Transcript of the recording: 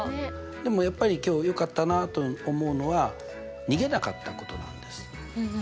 でもやっぱり今日よかったなあと思うのは逃げなかったことなんです。